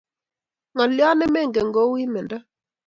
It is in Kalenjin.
ngaliot ne mengen ko u imendo